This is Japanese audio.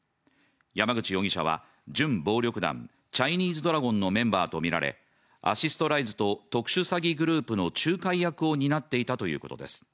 山口容疑者は、準暴力団チャイニーズドラゴンのメンバーとみられ、アシストライズと特殊詐欺グループの仲介役を担っていたということです。